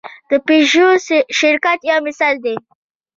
د پيژو شرکت یو مثال دی.